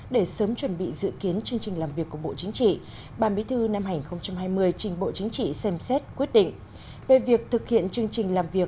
để sớm chuẩn bị dự kiến chương trình làm việc của bộ chính trị